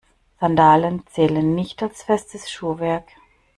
Sandalen zählen nicht als festes Schuhwerk.